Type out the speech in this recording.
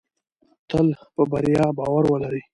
تل په بریا باور ولرئ.